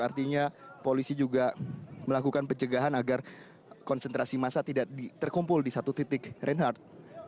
artinya polisi juga melakukan pencegahan agar konsentrasi massa tidak terkumpul di satu titik reinhardt